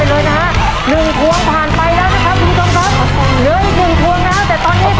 เหลืออีกหนึ่งทวงแล้วแต่ตอนนี้สัตว์หมดแล้วนะฮะ